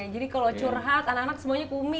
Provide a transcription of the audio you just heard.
jadi kalau curhat anak anak semuanya ke umi ya